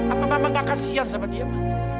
apa mama gak kasihan sama dia ma